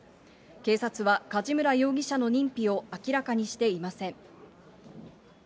警察は梶村容疑者の認否を明らかにしていません。